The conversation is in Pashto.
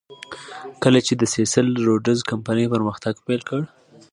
کله چې د سیسل روډز کمپنۍ پرمختګ پیل کړ.